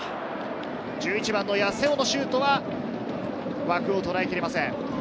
１１番の八瀬尾のシュートは、枠をとらえきれません。